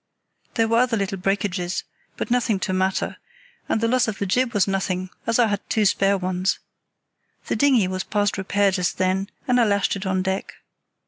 There were other little breakages, but nothing to matter, and the loss of the jib was nothing, as I had two spare ones. The dinghy was past repair just then, and I lashed it on deck.